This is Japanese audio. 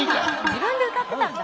自分で歌ってたんだ。